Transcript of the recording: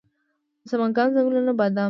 د سمنګان ځنګلونه بادام دي